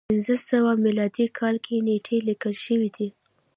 په پنځه سوه میلادي کال کې نېټې لیکل شوې دي.